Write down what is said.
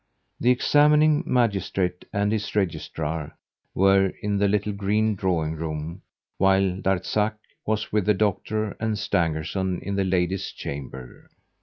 The examining magistrate and his Registrar were in the little green drawing room, while Darzac was with the doctor and Stangerson in the lady's chamber.